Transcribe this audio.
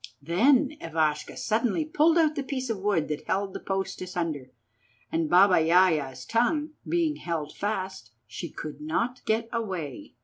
Then Ivashka suddenly pulled out the piece of wood that held the post asunder, and Baba Yaja's tongue being held fast, she could not get away.